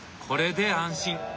これで安心！